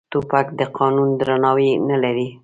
توپک د قانون درناوی نه لري.